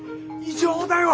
異常だよ